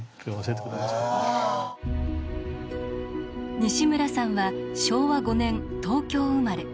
西村さんは昭和５年東京生まれ。